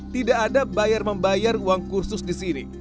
tidak ada bayar membayar uang kursus di sini